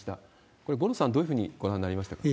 これ、五郎さん、どういうふうにご覧になりましたか？